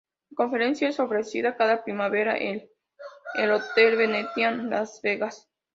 La conferencia es ofrecida cada primavera en el Hotel Venetian en Las Vegas.